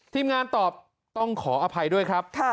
ทีมงานตอบต้องขออภัยด้วยครับ